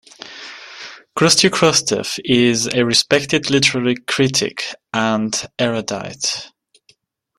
Krastyo Krastev is a respected literary critic and erudite.